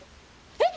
えっ！？